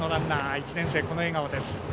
１年生、笑顔です。